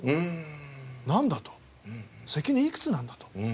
なんだ？と関根いくつなんだ？と。